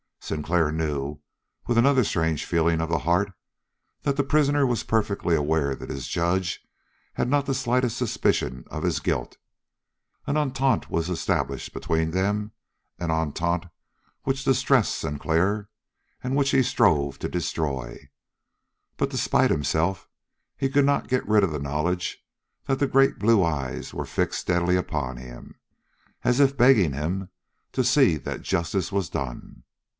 Sinclair knew, with another strange falling of the heart, that the prisoner was perfectly aware that his judge had not the slightest suspicion of his guilt. An entente was established between them, an entente which distressed Sinclair, and which he strove to destroy. But, despite himself, he could not get rid of the knowledge that the great blue eyes were fixed steadily upon him, as if begging him to see that justice was done.